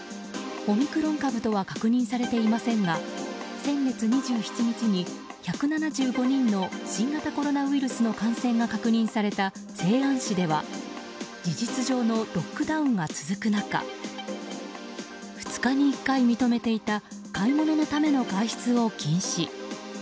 オミクロン株とは確認されていませんが先月２７日に１７５人の新型コロナウイルスの感染が確認された西安市では事実上のロックダウンが続く中２日に１回認めていた買い物のための外出を禁止。